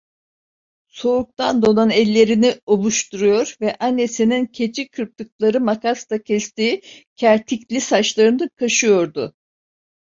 Soğuktan donan ellerini ovuşturuyor ve annesinin keçi kırptıkları makasla kestiği kertikli saçlarını kaşıyordu.